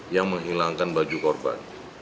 yang menghilangkan baju korban